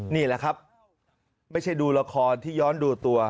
นี่แหละครับไม่ใช่ดูละครที่ย้อนดูตัว